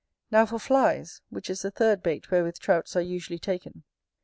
Now for Flies; which is the third bait wherewith Trouts are usually taken.